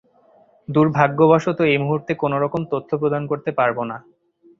দূর্ভাগ্যবশত, এই মূহুর্তে কোনোরকম তথ্য প্রদান করতে পারবো না।